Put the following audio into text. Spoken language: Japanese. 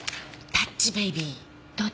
ダッチベイビー？